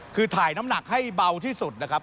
คือถ่ายน้ำหนักให้เบาที่สุดนะครับ